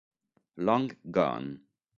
Long Gone